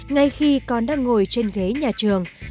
ngay khi còn đang ngồi trên ghế nhà trường